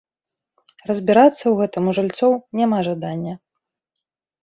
Разбірацца ў гэтым у жыльцоў няма жадання.